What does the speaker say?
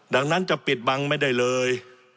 ดังนั้นจะปิดบังไม่ได้เลย